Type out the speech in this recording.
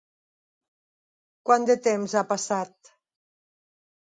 Quant de temps ha passat?